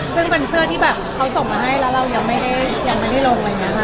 ซึ่งเป็นเสื้อที่เค้าส่งมาให้แล้วเรายังไม่ได้ลง